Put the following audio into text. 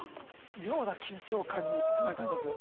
妙な緊張感に包まれております。